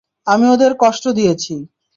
আমি ওদের কষ্ট দিয়েছি।